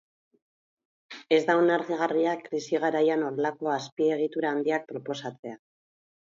Ez da onargarria krisi garaian horrelako azpiegitura handiak proposatzea.